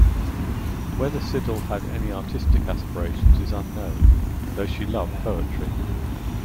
Whether Siddal had any artistic aspirations is unknown, though she loved poetry.